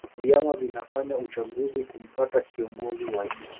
vyama vinafanya uchaguzi kumpata kiongozi wa nchi